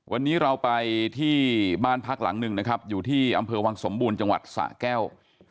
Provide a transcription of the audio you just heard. วันนี้เราไปที่บ้านพักหลังหนึ่งนะครับอยู่ที่อำเภอวังสมบูรณ์จังหวัดสะแก้ว